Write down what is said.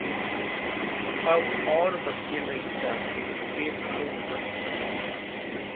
अब और बच्चे नहीं चाहते बेकहम दंपत्ति